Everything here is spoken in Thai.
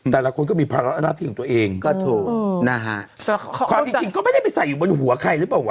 แต่ละคนก็มีภาระหน้าที่ของตัวเองก็ถูกนะฮะความจริงจริงก็ไม่ได้ไปใส่อยู่บนหัวใครหรือเปล่าวะ